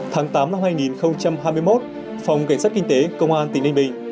tháng tám năm hai nghìn hai mươi một phòng cảnh sát kinh tế công an tỉnh ninh bình